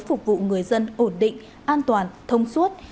phục vụ người dân ổn định an toàn thông suốt